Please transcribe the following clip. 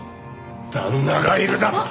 旦那がいるだと！？